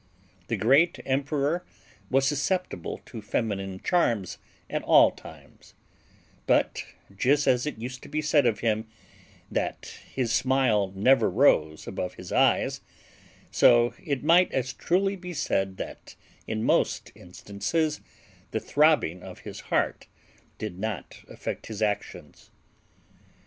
The great emperor was susceptible to feminine charms at all times; but just as it used to be said of him that "his smile never rose above his eyes," so it might as truly be said that in most instances the throbbing of his heart did not affect his actions.